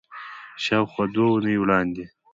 شاوخوا دوه اونۍ وړاندې